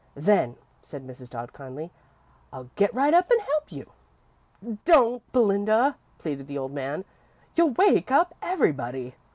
"Then," said Mrs. Dodd, kindly, "I'll get right up and help you!" "Don't, Belinda," pleaded the old man. "You'll wake up everybody.